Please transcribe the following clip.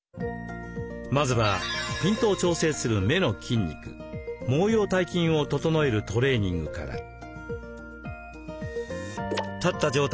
まずはピントを調整する目の筋肉毛様体筋を整えるトレーニングから。